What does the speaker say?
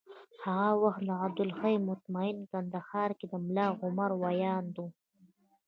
هغه وخت عبدالحی مطمین کندهار کي د ملا عمر ویاند و